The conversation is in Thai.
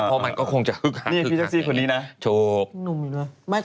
เพราะมันก็คงจะหึกหักอย่างนี้ถูกนุ่มด้วย